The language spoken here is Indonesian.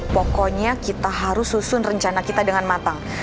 pokoknya kita harus susun rencana kita dengan matang